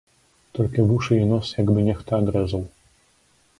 Толькі вушы і нос як бы нехта адрэзаў.